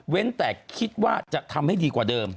แต่คิดว่าจะทำให้ดีกว่าเดิม